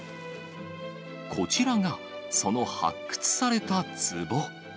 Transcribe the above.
こちらが、その発掘されたつぼ。